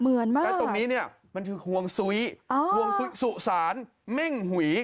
เออแหละตรงนี้เนี่ยมันคือห่วงสุรสสานเหม่งหุ่ย